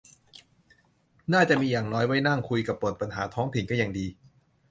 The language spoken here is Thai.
น่าจะมี อย่างน้อยไว้นั่งคุยกับบ่นปัญหาท้องถิ่นก็ยังดี